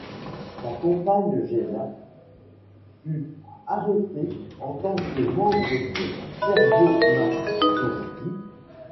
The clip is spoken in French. Sa compagne Gesja fut arrêtée en tant que membre des Pervomartovtsi.